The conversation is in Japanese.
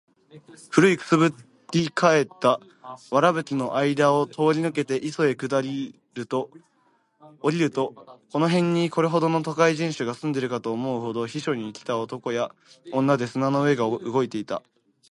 古い燻（くす）ぶり返った藁葺（わらぶき）の間あいだを通り抜けて磯（いそ）へ下りると、この辺にこれほどの都会人種が住んでいるかと思うほど、避暑に来た男や女で砂の上が動いていた。